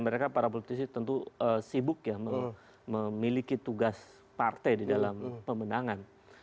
mereka para politisi tentu sibuk ya memiliki tugas partai di dalam pemenangan